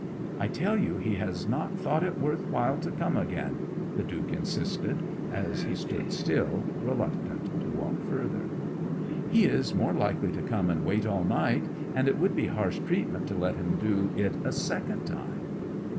'I tell you he has not thought it worth while to come again!' the Duke insisted, as he stood still, reluctant to walk further. 'He is more likely to come and wait all night; and it would be harsh treatment to let him do it a second time.'